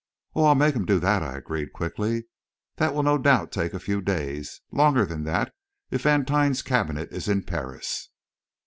"Oh, I'll make him do that," I agreed quickly. "That will no doubt take a few days longer than that if Vantine's cabinet is in Paris."